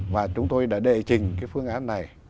và chúng tôi đã đệ trình cái phương án này